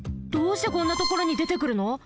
どうしてこんなところにでてくるの？